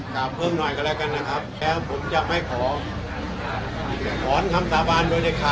กลับเพิ่มหน่อยก็แล้วกันนะครับแล้วผมจะไม่ขอขออนค์คำสาบานด้วยได้ค่ะ